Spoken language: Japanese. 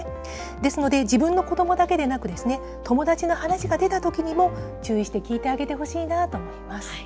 ですので、自分の子どもだけでなく、友達の話が出たときにも、注意して聞いてあげてほしいなと思います。